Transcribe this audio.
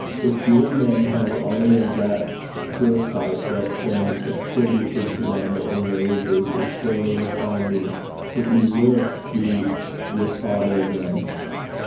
Gin deein' men hae ony o' that foresicht that's been attreebuted to them in a' ages, it's borne in upo' me that ye wull see yer father again.